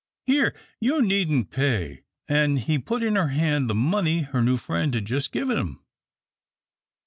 Here you needn't pay," and he put in her hand the money her new friend had just given him.